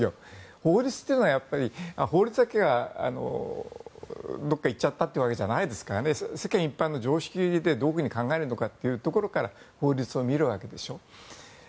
法律というのは法律がどこかに行ったというわけではないですからね世間一般の常識でどう考えるのかというところから法律を見るわけでしょ。